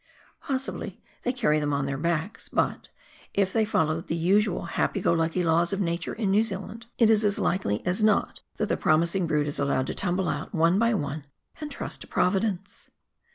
Possibly they carry them on their backs, but, if they followed the usual happy go lucky laws of nature in New Zealand, it WESTLAND. 4 3 is as likely as not that tlie promising brood is allowed to tumble out one by one, and trust to providence.